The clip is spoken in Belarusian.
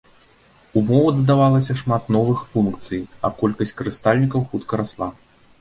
У мову дадавалася шмат новых функцый, а колькасць карыстальнікаў хутка расла.